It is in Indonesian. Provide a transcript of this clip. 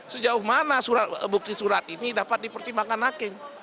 sejauh mana bukti surat ini dapat dipertimbangkan hakim